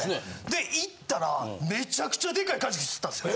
で行ったらめちゃくちゃデカいカジキ釣ったんですよ。